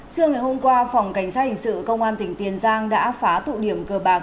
trưa ngày hôm qua phòng cảnh sát hình sự công an tỉnh tiền giang đã phá tụ điểm cờ bạc